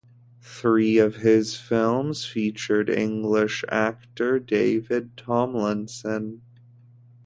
Three of his films featured English actor David Tomlinson.